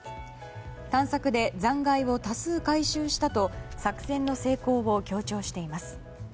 探索で残骸を多数回収したと作戦の成功を強調しています。